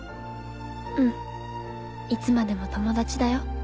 うんいつまでも友達だよ。